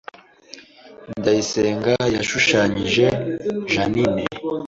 Ndayisenga yashushanyije Jeaninne